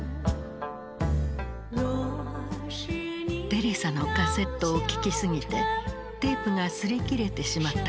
テレサのカセットを聴き過ぎてテープが擦り切れてしまったという。